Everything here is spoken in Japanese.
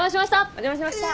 お邪魔しました。